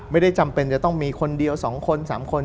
จำเป็นจะต้องมีคนเดียว๒คน๓คน